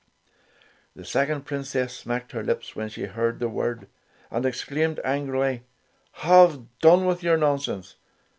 The second princess smacked her lips when she heard the word, and exclaimed angrily, "Have done with your nonsense!